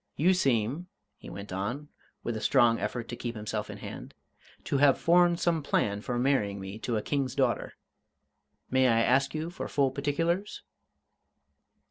You seem," he went on, with a strong effort to keep himself in hand, "to have formed some plan for marrying me to a King's daughter. May I ask you for full particulars?"